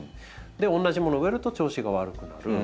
で同じものを植えると調子が悪くなる。